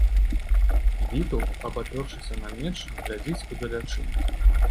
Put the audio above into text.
Вітаўт, абапёршыся на меч, глядзіць удалячынь.